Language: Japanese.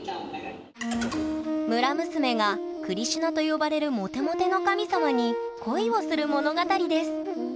村娘がクリシュナと呼ばれるモテモテの神様に恋をする物語です。